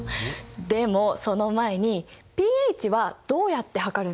でもその前にｐＨはどうやって測るんだっけ？